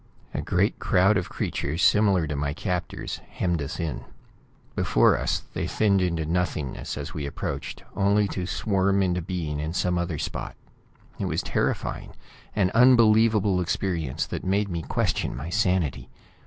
A great crowd of creatures similar to my captors hemmed us in. Before us, they thinned into nothingness as we approached, only to swarm into being in some other spot. It was terrifying; an unbelievable experience that made me question my sanity.